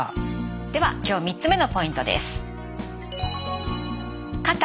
では今日３つ目のポイントです。